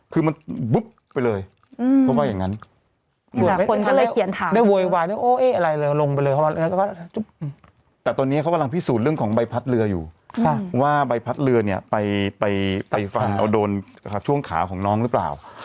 คือมันปุ๊บไปเลยอืมเพราะว่าอย่างงั้นแต่ตอนนี้เขากำลังพิสูจน์เรื่องของใบพัดเรืออยู่ว่าใบพัดเรือเนี้ยไปไปไปฟังเอาโดนช่วงขาของน้องหรือเปล่า